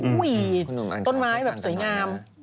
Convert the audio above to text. ดูบ้างใช่ไหมราชินไทยแบบสวยงาม